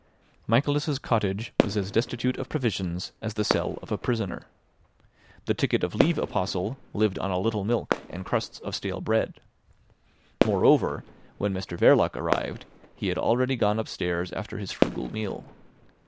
Michaelis' cottage was as destitute of provisions as the cell of a prisoner. The ticket of leave apostle lived on a little milk and crusts of stale bread. Moreover, when Mr Verloc arrived he had already gone upstairs after his frugal meal.